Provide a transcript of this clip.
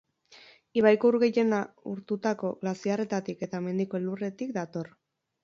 Ibaiko ur gehiena urtutako glaziarretatik eta mendiko elurretik dator.